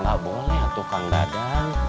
gak boleh tukang dadang